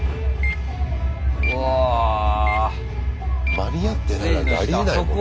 間に合ってないってありえないもんね。